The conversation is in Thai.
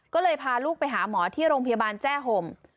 ก็เลยพาลูกไปหาหมอที่โรงพยาบาลแจ้ห่ม